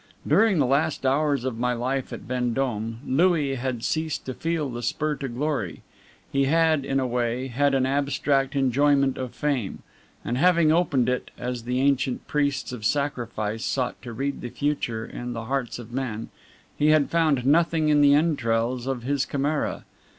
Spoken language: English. During the last hours of my life at Vendome, Louis had ceased to feel the spur to glory; he had, in a way, had an abstract enjoyment of fame; and having opened it, as the ancient priests of sacrifice sought to read the future in the hearts of men, he had found nothing in the entrails of his chimera.